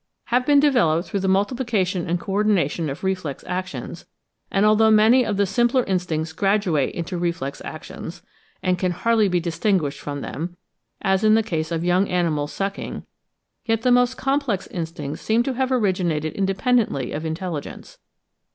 have been developed through the multiplication and co ordination of reflex actions, and although many of the simpler instincts graduate into reflex actions, and can hardly be distinguished from them, as in the case of young animals sucking, yet the more complex instincts seem to have originated independently of intelligence.